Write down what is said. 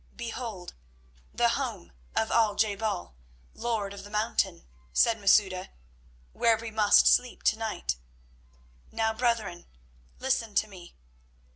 "Behold the home of Al je bal, Lord of the Mountain," said Masouda, "where we must sleep to night. Now, brethren, listen to me.